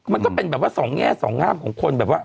มันก็เป็นแบบว่าสองแง่สองงามของคนแบบว่า